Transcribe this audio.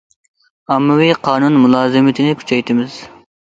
ئاممىۋى قانۇن مۇلازىمىتىنى كۈچەيتىمىز.